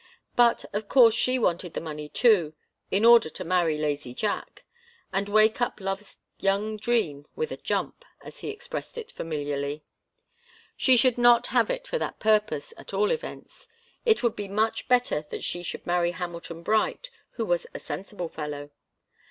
But of course she wanted the money too in order to marry lazy Jack and wake up love's young dream with a jump, as he expressed it familiarly. She should not have it for that purpose, at all events. It would be much better that she should marry Hamilton Bright, who was a sensible fellow.